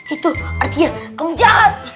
itu artinya kamu jahat